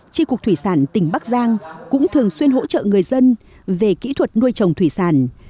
tri cục thủy sản tỉnh bắc giang cũng thường xuyên hỗ trợ người dân về kỹ thuật nuôi trồng thủy sản